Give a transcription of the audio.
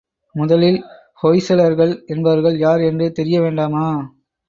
முதலில் ஹொய்சலர்கள் என்பவர்கள் யார் என்று தெரிய வேண்டாமா?